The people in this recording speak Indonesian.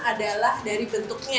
adalah dari bentuknya